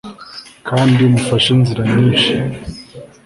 Kandi umufashe inzira nyinshi